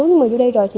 nhưng mà vô đây rồi thì